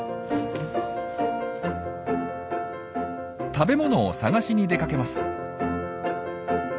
食べ物を探しに出かけます。